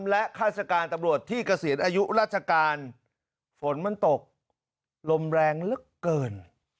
และข้าราชการตำรวจที่เกษียณอายุราชการฝนมันตกลมแรงเหลือเกิน